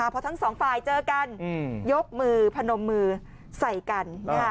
พอทั้งสองฝ่ายเจอกันยกมือพนมมือใส่กัน